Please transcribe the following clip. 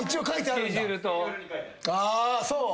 ああそう。